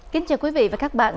kính chào quý vị và các bạn